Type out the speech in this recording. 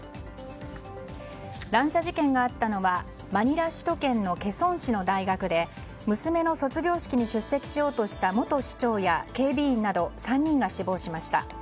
乱射事件があったのはマニラ首都圏のケソン市の大学で娘の卒業式に出席しようとした元市長や警備員など３人が死亡しました。